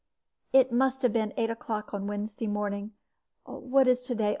"It must have been eight o'clock on Wednesday morning what is to day?